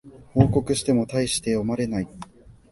報告してもたいして読まれない